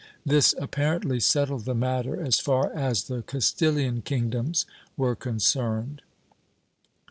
^ This apparently settled the matter as far as the Castilian kingdoms were concerned.